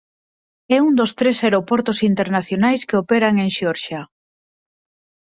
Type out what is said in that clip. É un dos tres aeroportos internacionais que operan en Xeorxia.